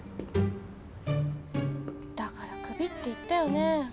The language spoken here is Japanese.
だからクビって言ったよね？